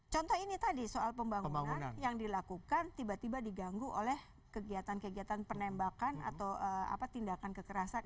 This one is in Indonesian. contoh ini tadi soal pembangunan yang dilakukan tiba tiba diganggu oleh kegiatan kegiatan penembakan atau tindakan kekerasan